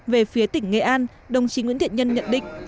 về phía tỉnh nghệ an đồng chí nguyễn thiện nhân nhận định